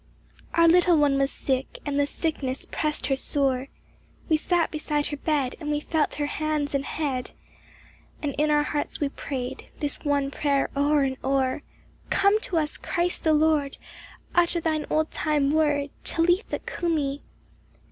UR little one was sick, and the sickness pressed her sore. We sat beside her bed, and we felt her hands and head, And in our hearts we prayed this one prayer o er and o er :" Come to us, Christ the Lord ; utter thine old time word, Talitha cumi !